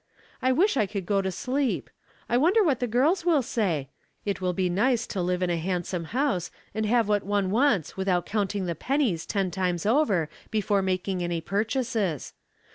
I wish I could go to sleep. I wonder what the girls will say? It will be nice to live in a handsome house and have what one wants without counting the pennies ten times over before making any purchases.